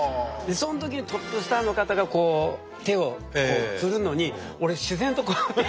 そのときにトップスターの方がこう手を振るのに俺自然とこうやって。